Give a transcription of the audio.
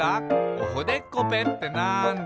「おほでっこぺってなんだ？」